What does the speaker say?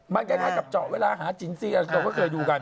มันก็อย่างมากับเจาะเวลาหาจริงที่เราเกิดคอยอยู่กัน